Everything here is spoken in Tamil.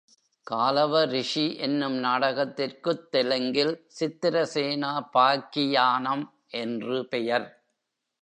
காலவ ரிஷி என்னும் நாடகத்திற்குத் தெலுங்கில் சித்திரசேனோ பாக்கியானம் என்று பெயர்.